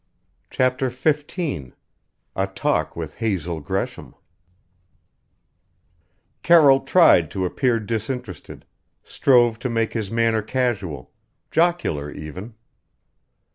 CHAPTER XV A TALK WITH HAZEL GRESHAM Carroll tried to appear disinterested strove to make his manner casual; jocular even.